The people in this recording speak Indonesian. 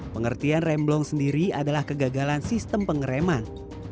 pengertian rem blong sendiri adalah kegagalan sistem pengereman